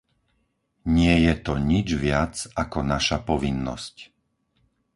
Nie je to nič viac ako naša povinnosť.